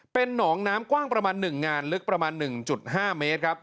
เป็นหนองน้ำกว้างประมาณ๑งานลึกประมาณ๑๕เมตรครับ